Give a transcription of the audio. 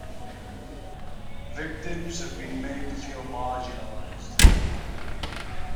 Victims have been made to feel marginalised.